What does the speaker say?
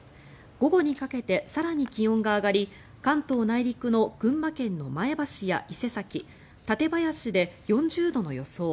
午後にかけて更に気温が上がり関東内陸の群馬県の前橋や伊勢崎館林で４０度の予想